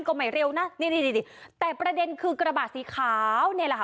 ก็ไม่เร็วนะนี่นี่แต่ประเด็นคือกระบะสีขาวนี่แหละค่ะ